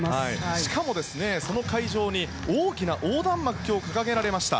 しかもその会場に大きな横断幕が掲げられました。